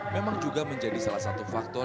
memang juga menjadi salah satu faktor